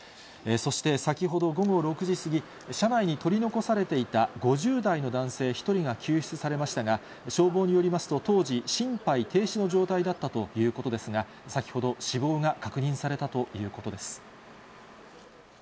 そして、先ほど午後６時過ぎ、車内に取り残されていた５０代の男性１人が救出されましたが、消防によりますと、当時、心肺停止の状態だったということですが、先ほど、死亡が確認されたということです。